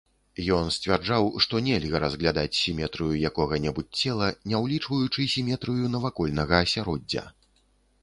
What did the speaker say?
Ён сцвярджаў, што нельга разглядаць сіметрыю якога-небудзь цела, не ўлічваючы сіметрыю навакольнага асяроддзя.